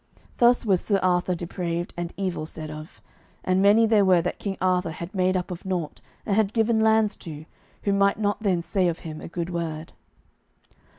Thus was Sir Arthur depraved and evil said of, and many there were that King Arthur had made up of naught, and had given lands to, who might not then say of him a good word.